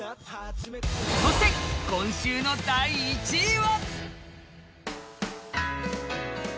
そして今週の第１位は？